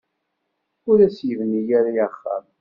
Ur as-yebni ara axxam.